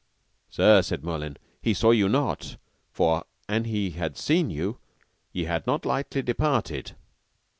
Sir, said Merlin, he saw you not, for an he had seen you, ye had not lightly departed.